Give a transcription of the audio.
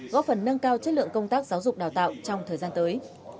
góp phần nâng cao chất lượng công tác giáo dục đào tạo trong thời gian tới